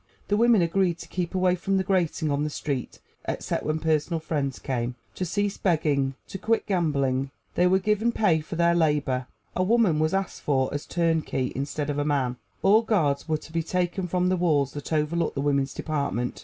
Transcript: The women agreed to keep away from the grating on the street, except when personal friends came; to cease begging; to quit gambling. They were given pay for their labor. A woman was asked for as turnkey, instead of a man. All guards were to be taken from the walls that overlooked the women's department.